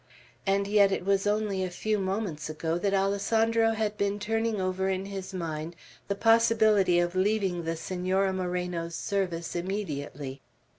And yet it was only a few moments ago that Alessandro had been turning over in his mind the possibility of leaving the Senora Moreno's service immediately.